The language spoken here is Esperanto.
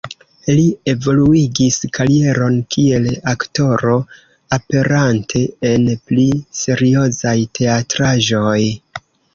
Li evoluigis karieron kiel aktoro, aperante en pli seriozaj teatraĵoj.